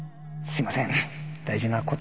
すいません